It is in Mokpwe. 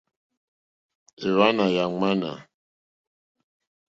Èwànâ yà ŋwánà.